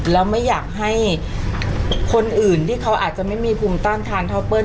แล้วไม่อยากให้คนอื่นที่เขาอาจจะไม่มีภูมิต้านทานเท่าเปิ้ล